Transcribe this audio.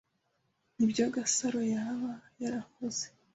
Nibyo Gasaro yaba yarakoze.